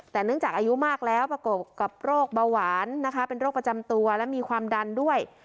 แต่เนื่องจากอายุมากแล้วประกบกับโรคเบาหวานนะคะเป็นโรคประจำตัวและมีความดันด้วย